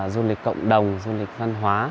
với cộng đồng du lịch văn hóa